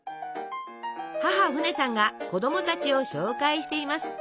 母フネさんが子供たちを紹介しています。